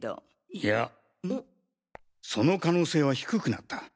いやその可能性は低くなった。